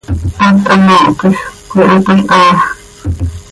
Haat hanoohcö quij cöyahatalhaa.